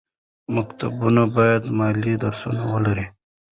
مکتبونه باید مالي درسونه ولري.